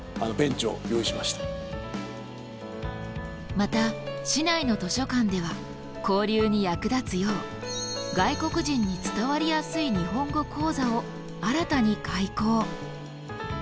また市内の図書館では交流に役立つよう外国人に伝わりやすい日本語講座を新たに開講。